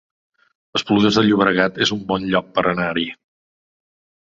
Esplugues de Llobregat es un bon lloc per anar-hi